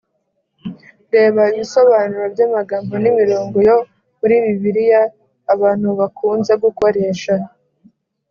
Reba ibisobanuro by’amagambo n’imirongo yo muri Bibiliya abantu bakunze gukoresha